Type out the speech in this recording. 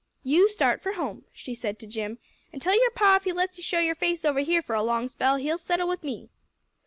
"You start for home," she said to Jim, "an' tell your Pa if he lets you show your face over here for a long spell, he'll settle with me."